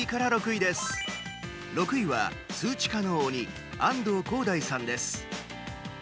６位は「数値化の鬼」安藤広大さんです。